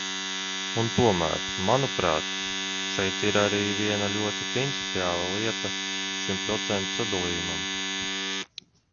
Un tomēr, manuprāt, šeit ir arī viena ļoti principiāla lieta šim procentu sadalījumam.